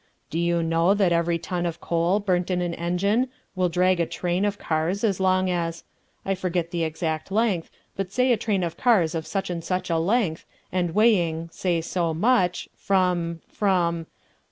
"Do you know that every ton of coal burnt in an engine will drag a train of cars as long as ... I forget the exact length, but say a train of cars of such and such a length, and weighing, say so much ... from ... from